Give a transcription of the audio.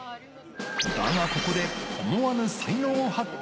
だが、ここで思わぬ才能を発揮。